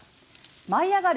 舞い上がる！